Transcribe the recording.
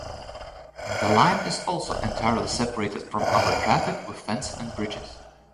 The line is also entirely separated from other traffic with fence and bridges.